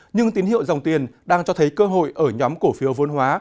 nhưng tín hiệu dòng tiền đang cho thấy cơ hội ở nhóm cổ phiếu vôn hóa